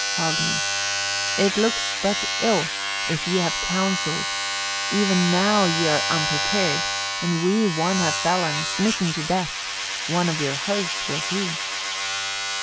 Hogni. 41. "It looks but ill, if ye before have counselled: e'en now ye are unprepared, and we one have felled, smitten to death: one of your host was he."